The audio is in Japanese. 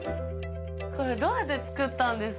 これどうやって作ったんですか？